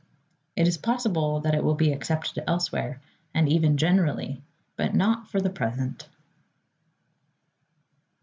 It is possible that it will be accepted elsewhere, and even generally, but not for the present.